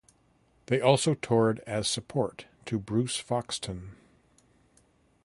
They also toured as support to Bruce Foxton.